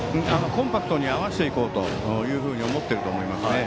コンパクトに合わせていこうと思っていると思いますね。